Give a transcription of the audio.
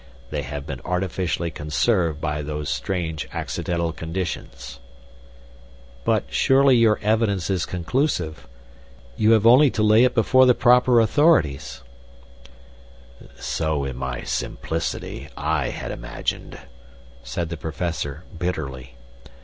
They have been artificially conserved by those strange accidental conditions." "But surely your evidence is conclusive. You have only to lay it before the proper authorities." "So in my simplicity, I had imagined," said the Professor, bitterly.